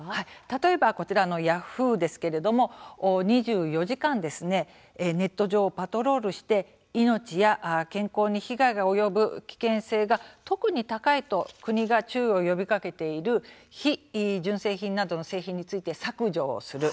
例えば、こちらヤフーですけれども、２４時間ネット上をパトロールして命や健康に被害が及ぶ危険性が特に高いと国が注意を呼びかけている非純正品などの製品について削除をする。